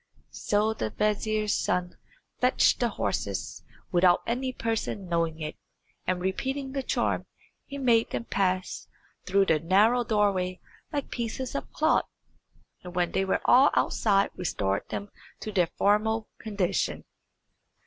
So the vizier's son fetched the horses without any person knowing it, and repeating the charm, he made them pass through the narrow doorway like pieces of cloth, and when they were all outside restored them to their former condition.